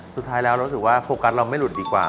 สุดท้ายแล้วเรารู้สึกว่าโฟกัสเราไม่หลุดดีกว่า